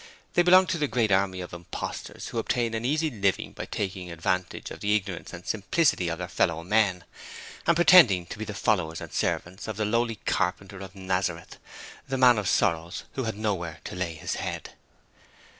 They belonged to the great army of imposters who obtain an easy living by taking advantage of the ignorance and simplicity of their fellow men, and pretending to be the 'followers' and 'servants' of the lowly Carpenter of Nazareth the Man of Sorrows, who had not where to lay His head.